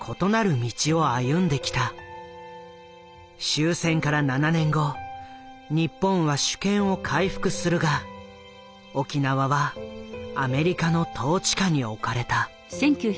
終戦から７年後日本は主権を回復するが沖縄はアメリカの統治下に置かれた。